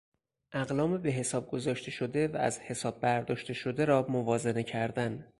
اقلام به حساب گذاشته شده و از حساب برداشت شده را موازنه کردن